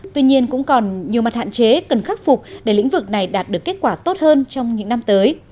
tuy nhiên cũng còn nhiều mặt hạn chế cần khắc phục để lĩnh vực này đạt được kết quả tốt hơn trong những năm tới